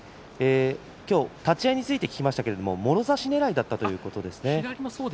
今日、立ち合いに突いてきましたがもろ差しねらいだったということです。